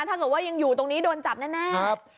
ถ้าเกิดว่ายังอยู่ตรงนี้โดนจับแน่